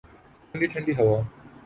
ٹھنڈی ٹھنڈی ہوا